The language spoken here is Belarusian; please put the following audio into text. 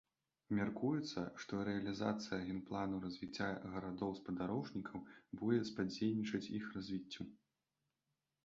Мяркуецца, што рэалізацыя генпланаў развіцця гарадоў-спадарожнікаў будзе садзейнічаць іх развіццю.